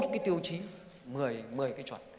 sáu mươi một cái tiêu chí một mươi cái chuẩn